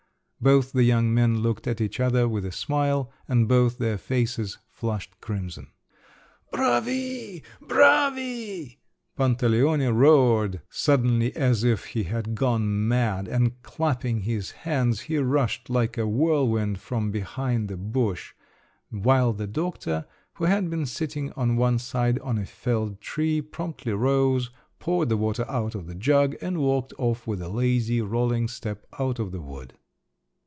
Both the young men looked at each other with a smile, and both their faces flushed crimson. "Bravi! bravi!" Pantaleone roared suddenly as if he had gone mad, and clapping his hands, he rushed like a whirlwind from behind the bush; while the doctor, who had been sitting on one side on a felled tree, promptly rose, poured the water out of the jug and walked off with a lazy, rolling step out of the wood.